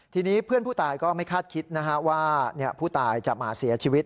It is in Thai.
ทีนี้เพื่อนผู้ตายก็ไม่คาดคิดว่าผู้ตายจะมาเสียชีวิต